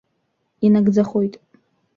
Инагӡахоит!